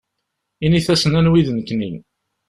Init-asen anwi d nekni.